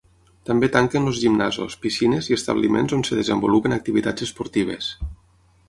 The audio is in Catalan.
També tanquen els gimnasos, piscines i establiments on es desenvolupen activitats esportives.